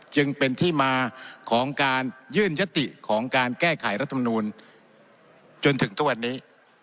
จึงเป็นที่มาของการยื่นยติของการแก้ไขรัฐมนูลจนถึงทุกวันนี้